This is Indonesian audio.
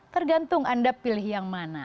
tergantung anda pilih yang mana